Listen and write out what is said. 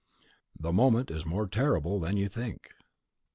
(The moment is more terrible than you think.)